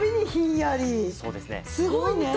すごいね。